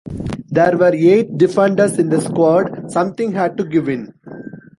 There were eight defenders in the squad, something had to give in.